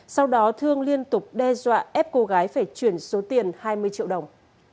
sau đó thương liên tục đe dọa ép cô gái phải chuyển số tiền hai mươi triệu đồng